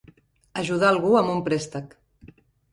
Ajudar algú amb un préstec.